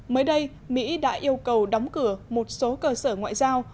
mới đây mỹ đã yêu cầu đóng cửa một số cơ sở ngoại giao